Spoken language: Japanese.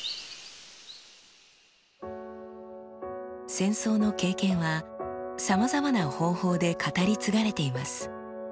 戦争の経験はさまざまな方法で語り継がれています。